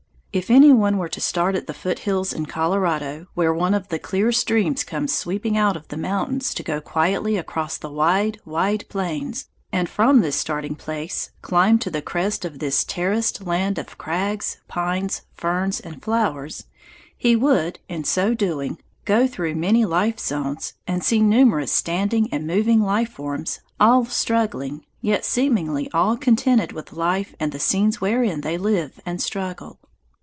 If any one were to start at the foothills in Colorado, where one of the clear streams comes sweeping out of the mountains to go quietly across the wide, wide plains, and from this starting place climb to the crest of this terraced land of crags, pines, ferns, and flowers, he would, in so doing, go through many life zones and see numerous standing and moving life forms, all struggling, yet seemingly all contented with life and the scenes wherein they live and struggle.